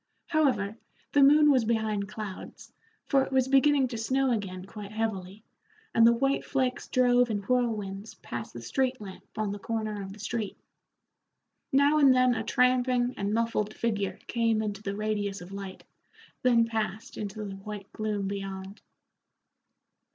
However, the moon was behind clouds, for it was beginning to snow again quite heavily, and the white flakes drove in whirlwinds past the street lamp on the corner of the street. Now and then a tramping and muffled figure came into the radius of light, then passed into the white gloom beyond.